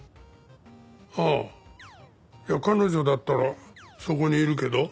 ああ彼女だったらそこにいるけど。